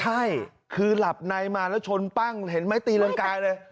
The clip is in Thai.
ใช่คือหลับในมาแล้วชนปั้งเห็นไหมตีรังกายเลย